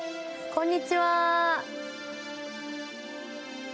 こんにちは。